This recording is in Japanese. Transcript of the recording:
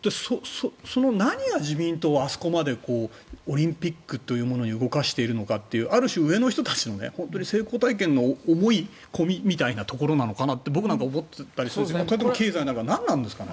その何が自民党をあそこまでオリンピックというものに動かしているのかっていうある種、上の人たちの本当に成功体験の思い込みみたいなところなのかなって僕なんか思ったりしますがそれとも経済なのか何ですかね。